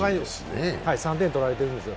３点取られてるんですよ。